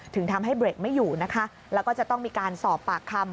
ถึงทำให้เบรกไม่อยู่นะคะแล้วก็จะต้องมีการสอบปากคำ